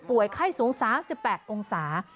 ไข้สูง๓๘องศา